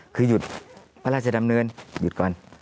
คือหยุดพระราชดำเนินหยุดก่อน